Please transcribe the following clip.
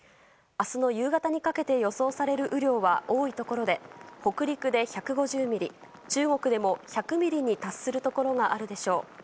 明日の夕方にかけて予想される雨量は多いところで北陸で１５０ミリ中国でも１００ミリに達するところがあるでしょう。